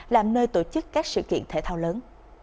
làm nơi tổ chức các sự kiện thể thao lớn